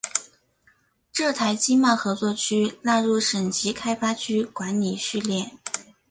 浙台经贸合作区纳入省级开发区管理序列。